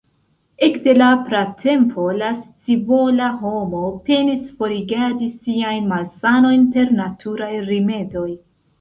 Ekde la pratempo la scivola homo penis forigadi siajn malsanojn per naturaj rimedoj.